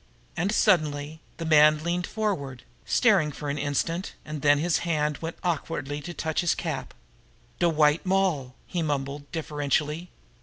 And suddenly the man leaned forward, staring for an instant, and then his hand went awkwardly to touch his cap. "De White Moll!" he mumbled deferentially.